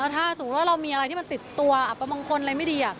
ถ้าสมมุติว่าเรามีอะไรที่มันติดตัวอับประมงคลอะไรไม่ดี